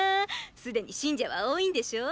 すでに信者は多いんでしょォ？